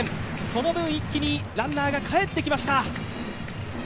その分、一気にランナーが返ってきました。